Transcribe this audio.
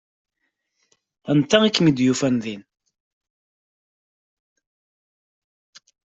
Anta i kem-id-yufan din?